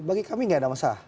bagi kami tidak ada masalah